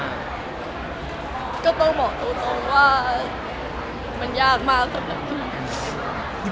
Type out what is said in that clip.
มันยากมากสำหรับพิม